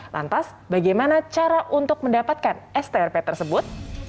lantas bagaimana cara untuk mendapatkan strp tersebut